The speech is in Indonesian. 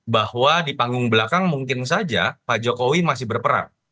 bahwa di panggung belakang mungkin saja pak jokowi masih berperang